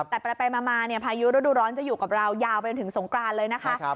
แต่ไปมาพายุฤดูร้อนจะอยู่กับเรายาวไปจนถึงสงกรานเลยนะคะ